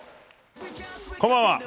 こんばんは。